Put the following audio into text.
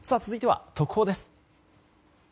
続いては特報です。